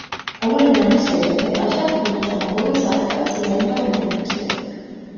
Oluline on see, et asjad, mida sa oma koju soetad, sulle endale meeldiksid.